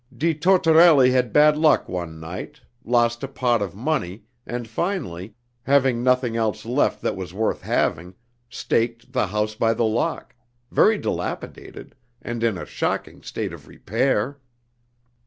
Di Tortorelli had bad luck one night, lost a pot of money, and finally, having nothing else left that was worth having, staked the House by the Lock very dilapidated, and in a shocking state of repair.